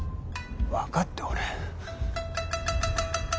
分かっておる。